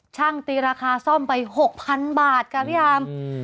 ตีราคาซ่อมไป๖๐๐๐บาทค่ะพี่อาร์ม